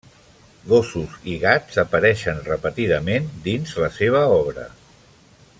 Gossos i gats apareixen repetidament dins la seva obra.